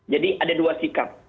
jadi ada dua sikap